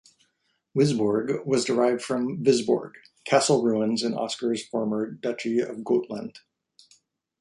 "Wisborg" was derived from Visborg, castle ruins in Oscar's former Duchy of Gotland.